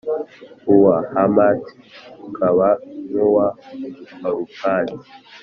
uwa Hamati ukaba nk’uwa Arupadi,